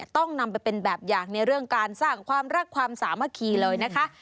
ต้องนำไปเป็นแบบอย่างในเรื่องการสร้างความรักความสามัคคีเลยนะคะ